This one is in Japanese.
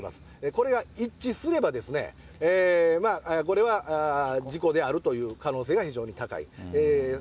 これが一致すれば、これは事故であるという可能性が非常に高い。